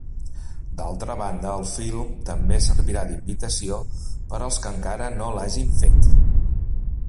D'altra banda, el film també servirà d'invitació per als que encara no l'hagin fet.